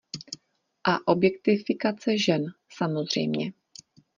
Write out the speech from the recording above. A objektifikace žen, samozřejmě.